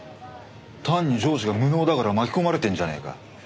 単に上司が無能だから巻き込まれてんじゃねえか。